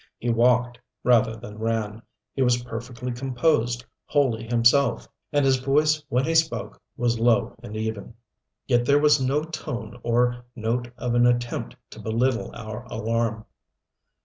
He walked, rather than ran, he was perfectly composed, wholly himself, and his voice when he spoke was low and even. Yet there was no tone or note of an attempt to belittle our alarm.